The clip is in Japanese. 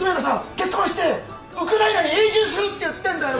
結婚してウクライナに永住するって言ってんだよ